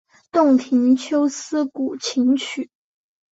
洞庭秋思古琴曲。